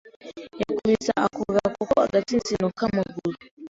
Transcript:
Yakubise ako gakoko agatsinsino kamaguru.